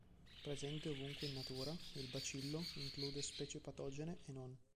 Presente ovunque in natura, il "Bacillo" include specie patogene e non.